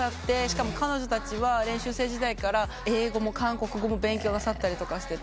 しかも彼女たちは練習生時代から英語も韓国語も勉強なさったりしてて。